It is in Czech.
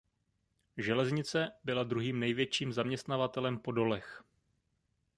Železnice byla druhým největším zaměstnavatelem po dolech.